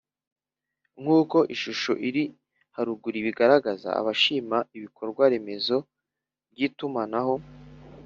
Nk uko ishusho iri haruguru ibigaragaza abashima ibikorwaremezo by itumanaho